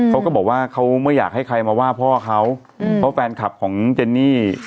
เขาก็บอกว่าเขาไม่อยากให้ใครมาว่าพ่อเขาเพราะแฟนคลับของเจนนี่